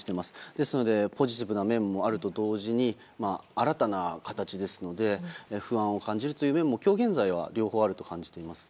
ですのでポジティブな面もあると同時に新たな形ですので不安を感じる面も今日、現在は両方あると感じています。